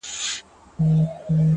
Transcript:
ټوله شپه خوبونه وي،